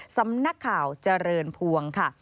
สำนักข่าวเจริญพวงค่ะ